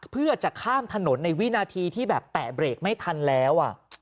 เพื่อจะข้ามถนนในวินาทีที่แบบแตะเบรกไม่ทันแล้ว